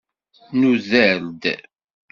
Nuder-d.